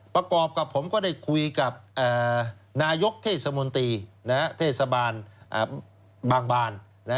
ประกอบกับผมก็ได้คุยกับนายกเทศมนตรีเทศบาลบางบาน